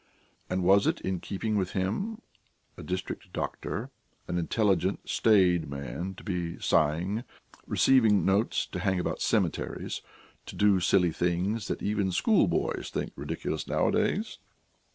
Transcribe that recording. And was it in keeping with him a district doctor, an intelligent, staid man to be sighing, receiving notes, to hang about cemeteries, to do silly things that even schoolboys think ridiculous nowadays?